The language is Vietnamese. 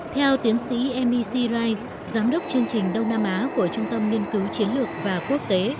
theo tiến sĩ m e c rice giám đốc chương trình đông nam á của trung tâm nhiên cứu chiến lược và quốc tế